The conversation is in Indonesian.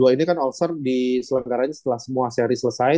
dua ribu dua puluh dua ini kan all star diselenggaranya setelah semua seri selesai